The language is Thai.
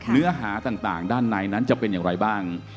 เนื้อหาต่างด้านในนั้นจะเป็นอย่างไรบ้าง